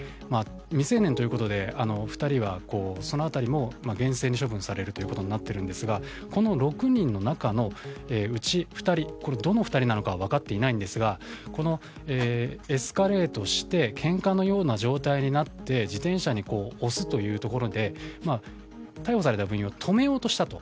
未成年ということで２人はその辺りも厳正に処分されることになっていますがこの６人の中のうち２人これはどの２人かは分かっていないんですがエスカレートしてけんかのような状態になって自転車に押すということで逮捕された部員を止めようとしたと。